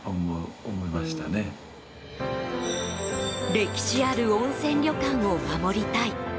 歴史ある温泉旅館を守りたい。